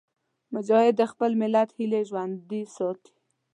مجاهد د خپل ملت هیلې ژوندي ساتي.